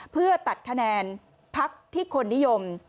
เพื่อตัดคะแนนพักที่คนนิยม